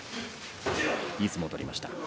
いい相撲を取りました。